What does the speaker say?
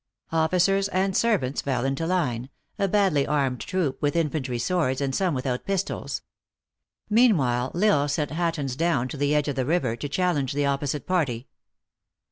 Officers and servants fell into line a hadly armed troop, with infantry swords, and some without pistols. Meanwhile, L Isle sent Elatton s down to the edge of the river to challenge the opposite party.